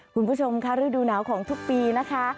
คุณผู้ชมค่ะฤดูหนาวของทุกปีนะคะ